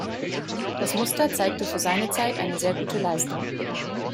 Das Muster zeigte für seine Zeit eine sehr gute Leistung.